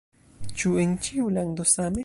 Ĉu en ĉiu lando same?